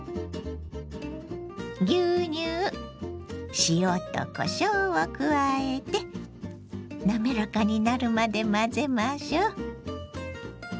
牛乳塩とこしょうを加えて滑らかになるまで混ぜましょう。